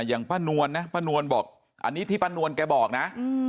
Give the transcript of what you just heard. อย่างป้านวลนะป้านวลบอกอันนี้ที่ป้านวลแกบอกนะ